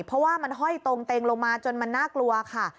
เพราะว่ามันห้อยตรงเต็งลงมาจนมันน่ากลัวค่ะ